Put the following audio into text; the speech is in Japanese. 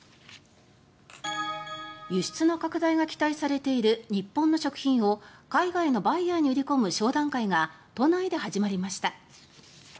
輸出の拡大が期待されている日本の食品を海外のバイヤーに売り込む商談会が都内で始まりました。